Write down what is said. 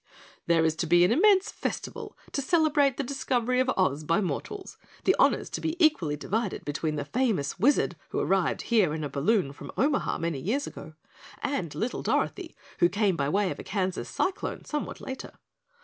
"There is to be an immense festival to celebrate the discovery of Oz by mortals, the honors to be equally divided between the famous Wizard who arrived here in a balloon from Omaha many years ago, and little Dorothy, who came by way of a Kansas cyclone somewhat later.